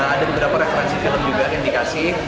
ada beberapa referensi film juga yang dikasih